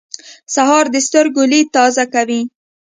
سهار د سترګو لید تازه کوي.